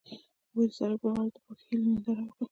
هغوی د سړک پر غاړه د پاک هیلې ننداره وکړه.